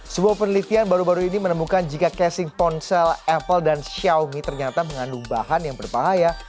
sebuah penelitian baru baru ini menemukan jika casing ponsel apple dan xiaomi ternyata mengandung bahan yang berbahaya